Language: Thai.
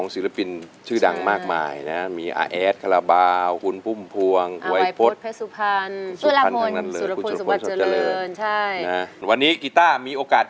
สุรพลสุรพลสุพรรณชะเริงใช่นะวันนี้กีต้ามีโอกาส